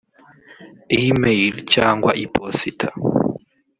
email cyangwa iposita